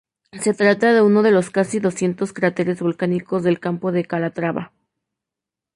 Se trata de uno de los casi doscientos cráteres volcánicos del Campo de Calatrava.